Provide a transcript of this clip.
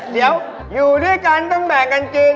เดี๋ยวอยู่ด้วยกันต้องแบกกันกิน